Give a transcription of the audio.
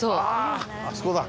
あそこだ！